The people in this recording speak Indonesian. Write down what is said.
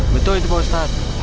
betul itu pak ustadz